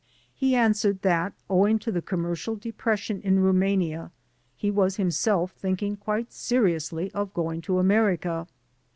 He answered that, owing to the commercial depression in Rumania, he was himself thinking quite seriously of going to America.